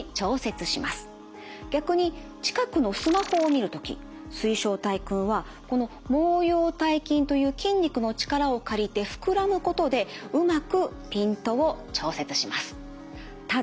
逆に近くのスマホを見る時水晶体くんはこの毛様体筋という筋肉の力を借りて膨らむことでうまくピントを調節します。